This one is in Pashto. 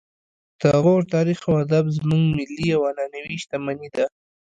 د غور تاریخ او ادب زموږ ملي او معنوي شتمني ده